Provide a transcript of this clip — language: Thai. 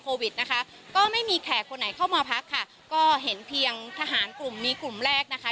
วิดนะคะก็ไม่มีแขกคนไหนเข้ามาพักค่ะก็เห็นเพียงทหารกลุ่มนี้กลุ่มแรกนะคะ